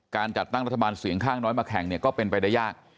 การจัดตั้งรัฐบาลเสียงข้างน้อยมาแข่งเนี่ยก็เป็นไปได้ยาก